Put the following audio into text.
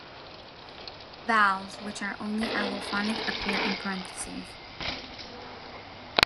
Vowels which are only allophonic appear in parentheses.